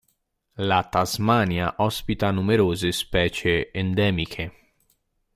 La Tasmania ospita numerose specie endemiche.